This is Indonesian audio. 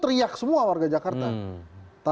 teriak semua warga jakarta